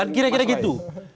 dan kira kira gitu